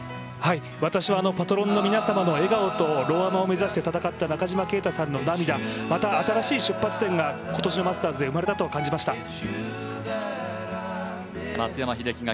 私はパトロンの皆様の笑顔とローアマを目指して戦った中島啓太さんの涙、また新しい出発点が今年のマスターズで生まれたと感じました。